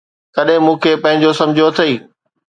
ڪڏھن مون کي پنھنجو سمجھيو اٿئي!